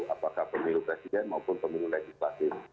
apakah pemilu presiden maupun pemilu legislatif